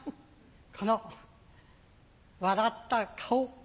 この笑った顔。